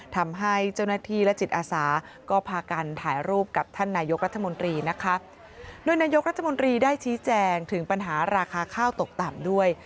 ทำให้เจ้าหน้าที่และจิตอาสาก็พากันถ่ายรูปกับท่านนายกรัฐมนตรีนะคะโดยนายกรัฐมนตรีได้ชี้แจงถึงปัญหาราคาข้าวตกต่ำด้วย